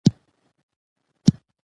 موږ باید له خپلو غلطیو څخه عبرت واخلو.